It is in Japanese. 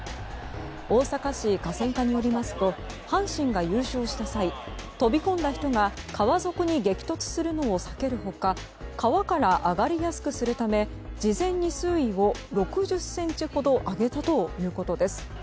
大阪市河川課によりますと阪神が優勝した際飛び込んだ人が川底に激突するのを避ける他川から上がりやすくするため事前に水位を６０ｃｍほど上げたということです。